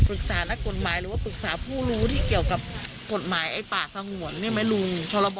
นักกฎหมายหรือว่าปรึกษาผู้รู้ที่เกี่ยวกับกฎหมายไอ้ป่าสงวนใช่ไหมลุง